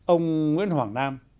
ông nguyễn hoàng nam